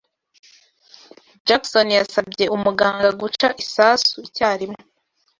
Jackson yasabye umuganga guca isasu icyarimwe.